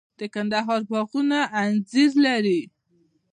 د کندهار باغونه انځر لري.